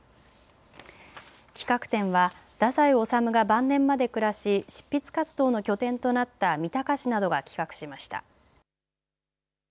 企画展は太宰治が晩年まで暮らし執筆活動の拠点となった三鷹市などが企画しました。